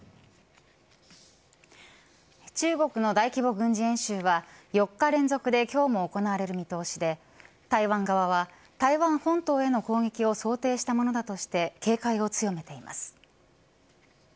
中国の大規模軍事演習は４日連続で今日も行われる見通しで台湾側は台湾本島への攻撃を想定したものだとして警戒を強めています。